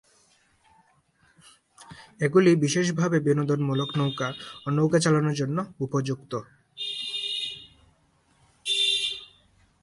এগুলি বিশেষভাবে বিনোদনমূলক নৌকা ও নৌকা চালানোর জন্য উপযুক্ত।